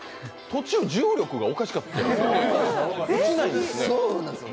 途中、重力がおかしかったよね？